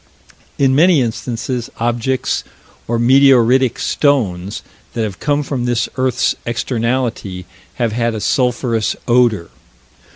In many instances, objects, or meteoritic stones, that have come from this earth's externality, have had a sulphurous odor.